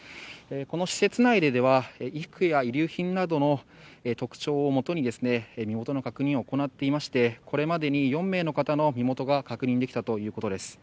この施設内では衣服や遺留品などの特徴をもとに身元の確認を行っていましてこれまでに４名の方の身元が確認できたということです。